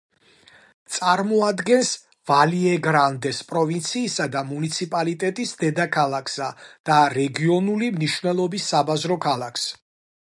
წარმოადგენს ვალიეგრანდეს პროვინციისა და მუნიციპალიტეტის დედაქალაქსა და რეგიონული მნიშვნელობის საბაზრო ქალაქს.